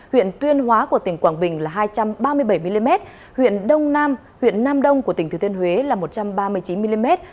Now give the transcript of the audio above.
huyện tuyên hóa của tỉnh quảng bình là hai trăm ba mươi bảy mm huyện đông nam huyện nam đông của tỉnh thừa thiên huế là một trăm ba mươi chín mm